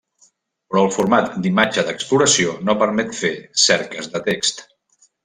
Però el format d'imatge d'exploració no permet fer cerques de text.